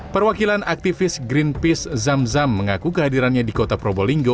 perwakilan aktivis greenpeace zamzam mengaku kehadirannya di kota probolinggo